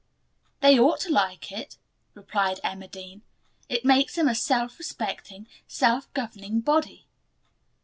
"They ought to like it," replied Emma Dean. "It makes them a self respecting, self governing body."